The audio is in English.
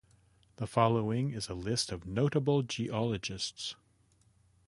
The following is a list of notable geologists.